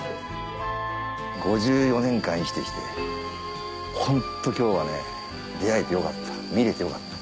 ５４年間生きて来てホント今日は出会えてよかった見れてよかった。